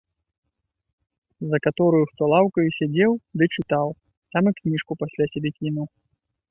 За катораю хто лаўкаю сядзеў ды чытаў, там і кніжку пасля сябе кінуў.